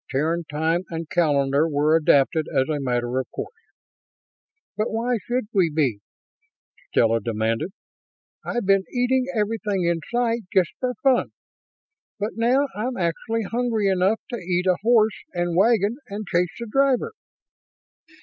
Terran time and calendar were adapted as a matter of course. "But why should we be?" Stella demanded. "I've been eating everything in sight, just for fun. But now I'm actually hungry enough to eat a horse and wagon and chase the driver!"